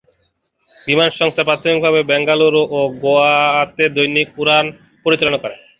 বিমানসংস্থা প্রাথমিকভাবে বেঙ্গালুরু ও গোয়াতে দৈনিক উড়ান পরিচালনা করে।